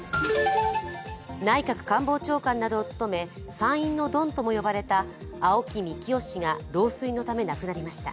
内閣官房長官などを務め参院のドンとも呼ばれた青木幹雄氏が老衰のため亡くなりました。